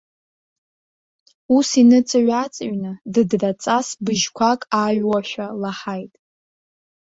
Ус иныҵыҩ-ааҵыҩны дыдраҵас быжьқәак ааҩуашәа лаҳаит.